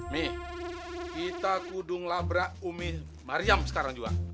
nih kita kudung labrak umi mariam sekarang juga